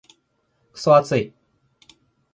クソ暑い。